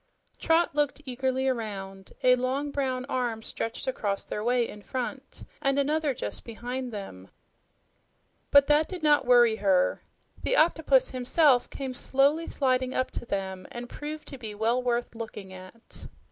Trot looked eagerly around. A long, brown arm stretched across their way in front and another just behind them, but that did not worry her. The octopus himself came slowly sliding up to them and proved to be well worth looking at.